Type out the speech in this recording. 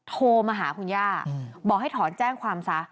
โทรมาหาคุณย่าบอกให้ถอนแจ้งความซะ